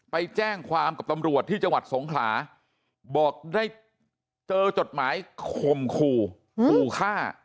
ไปแจ้งความกับตำรวจที่จังหวัดสงขลาบอกได้เจอจดหมายข่มขู่ขู่ฆ่า